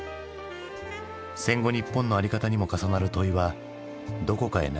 戦後日本の在り方にも重なる問いはどこかへ流されたかのようだ。